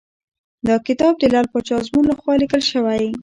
دا کتاب د لعل پاچا ازمون لخوا لیکل شوی .